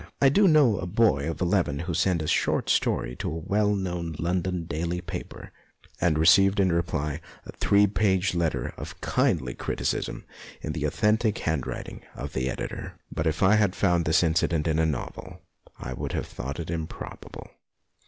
I do know a boy of eleven who sent a short story to a well known London daily paper and received in reply a three page letter of kindly criticism in the ON EDITORS 157 authentic handwriting of the editor. But if I had found this incident in a novel I would have thought it improbable.